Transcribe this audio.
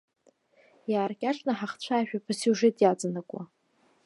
Иааркьаҿны ҳахцәажәап асиужет иаҵанакуа.